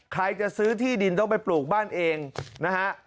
ใครจะซื้อที่ดินต้องไปปลูกบ้านเองนะฮะ